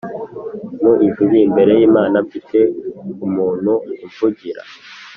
Mu ijuru imbere y’Imana mfite umuntgu umvugira